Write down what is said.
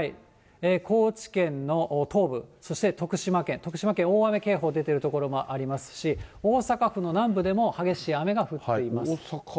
高知県の東部、そして徳島県、徳島県、大雨警報出ている所もありますし、大阪府の南部でも激しい雨が降っています。